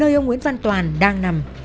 nơi ông nguyễn văn toàn đang nằm